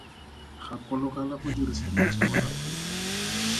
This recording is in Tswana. Gakologelwa go dirisa matshwao a potso.